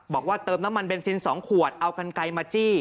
บอกว่าเติมน้ำมันเบนซิน๒ขวดเอากันไกลมาจี้